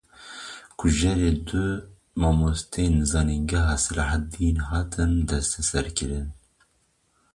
Kujerê du mamosteyên zanîngeha Selahedînê hat desteserkirin.